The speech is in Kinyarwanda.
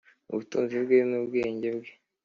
ubutunzi bwe n’ubwenge bwe,